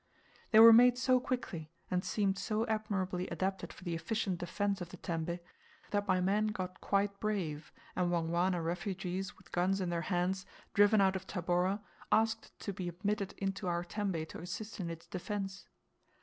They were made so quickly, and seemed so admirably adapted for the efficient defence of the tembe, that my men got quite brave, and Wangwana refugees with guns in their hands, driven out of Tabora, asked to be admitted into our tembe to assist in its defence.